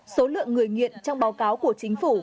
số lượng người nghiện trong báo cáo của chính phủ